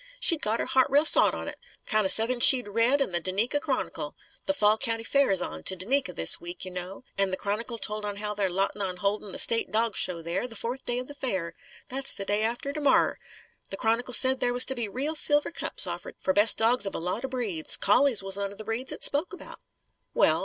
She'd got her heart real sot on it 'count of suthin' she'd read into the Duneka Chron'cle. The fall County Fair is on, to Duneka, this week, you know. An' the Chron'cle told how they're lottin' on holdin' the State dawg show there, the fourth day of the fair. That's the day after to morror. The Chron'cle said there was to be reel silver cups offered fer best dawgs of a lot of breeds. Collies was one of the breeds it spoke about." "Well?"